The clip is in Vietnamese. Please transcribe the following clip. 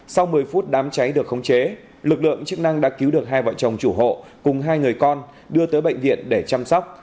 sau một mươi phút đám cháy được khống chế lực lượng chức năng đã cứu được hai vợ chồng chủ hộ cùng hai người con đưa tới bệnh viện để chăm sóc